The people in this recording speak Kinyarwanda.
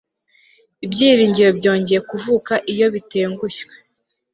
ibyiringiro byongeye kuvuka iyo bitengushye